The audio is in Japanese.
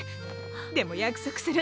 でも約束する。